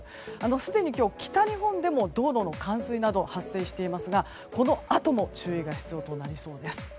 すでに今日、北日本でも道路の冠水などが発生していますがこのあとも注意が必要です。